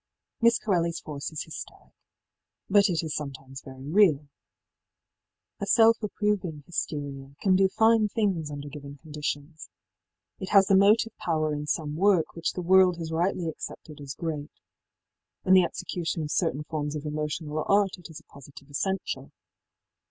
Miss Corelliís force is hysteric, but it is sometimes very real. A self approving hysteria can do fine things under given conditions. It has been the motive power in some work which the world has rightly accepted as great. In the execution of certain forms of emotional art it is a positive essential.